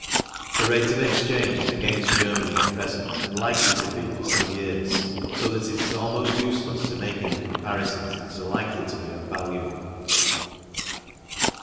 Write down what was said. The rate of exchange is against Germany at present and likely to be for some years, so that it is almost useless to make any comparisons that are likely to be of value.